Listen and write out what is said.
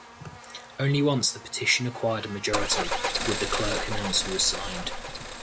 Only once the petition acquired a majority would the clerk announce who signed.